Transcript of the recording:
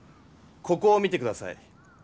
ここを見て下さい。